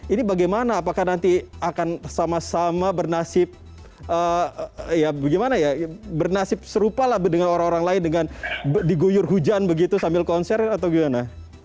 ini bagaimana apakah nanti akan sama sama bernasib ya bagaimana ya bernasib serupa lah dengan orang orang lain dengan diguyur hujan begitu sambil konser atau gimana